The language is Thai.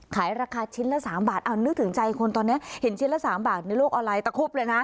ขายราคาชิ้นละ๓บาทเอานึกถึงใจคนตอนนี้เห็นชิ้นละ๓บาทในโลกออนไลน์ตะคุบเลยนะ